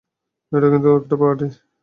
এটা কিন্তু একটা পার্টি!